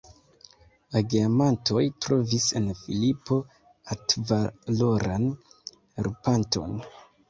La geamantoj trovis en Filipo altvaloran helpanton.